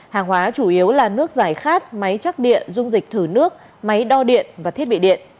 hàng hóa chủ yếu là nước giải khát máy chắc địa dung dịch thử nước máy đo điện và thiết bị điện